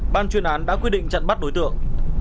ban chuyên án đã quyết định chặn bắt đối tượng